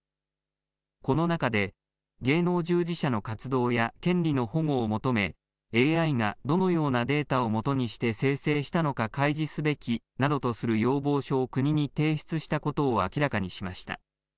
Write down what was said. この中で芸能従事者の活動や権利の保護を求め、ＡＩがどのようなデータを基にして生成したのか開示すべきなどとする要望書を国に提出したことを明らかにしました。